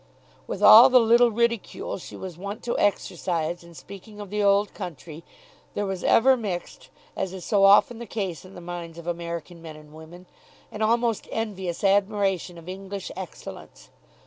With all the little ridicule she was wont to exercise in speaking of the old country there was ever mixed, as is so often the case in the minds of American men and women, an almost envious admiration of English excellence.